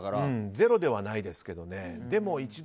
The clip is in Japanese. ゼロではないですけどね。